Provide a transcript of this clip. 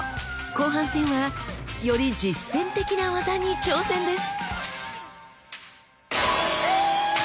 後半戦はより実戦的な技に挑戦です。